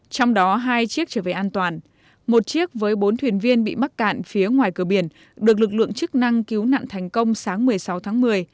trong đó hai chiếc trở về an toàn một chiếc với bốn thuyền viên bị mắc cạn phía ngoài cửa biển được lực lượng chức năng cứu nạn thành công sáng một mươi sáu tháng một mươi